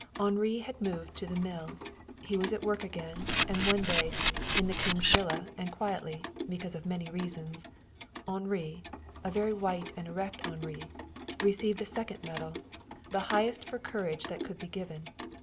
Henri had moved to the mill. He was at work again, and one day, in the King's villa and quietly, because of many reasons, Henri, a very white and erect Henri, received a second medal, the highest for courage that could be given.